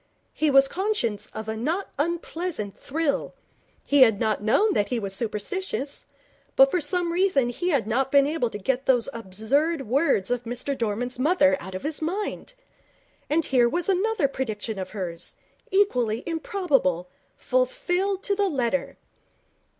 He was conscious of a not unpleasant thrill. He had not known that he was superstitious, but for some reason he had not been able to get those absurd words of Mr Dorman's mother out of his mind. And here was another prediction of hers, equally improbable, fulfilled to the letter.